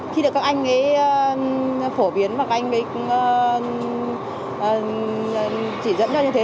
khi được các anh ấy phổ biến và các anh mới chỉ dẫn cho như thế